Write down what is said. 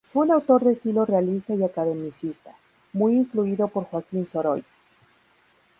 Fue un autor de estilo realista y academicista, muy influido por Joaquín Sorolla.